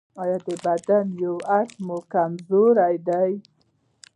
ایا د بدن یو اړخ مو کمزوری دی؟